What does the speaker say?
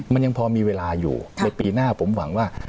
มันยังพอมีเวลาอยู่ในปีหน้าผมหวังว่า